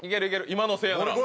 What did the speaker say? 今のせいやなら。